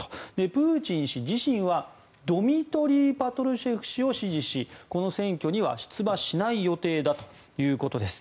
プーチン氏自身はドミトリー・パトルシェフ氏を支持しこの選挙には出馬しない予定だということです。